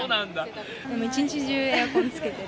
一日中、エアコンつけてる。